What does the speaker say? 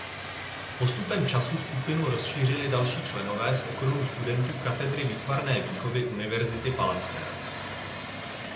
Postupem času skupinu rozšířili další členové z okruhu studentů Katedry výtvarné výchovy Univerzity Palackého.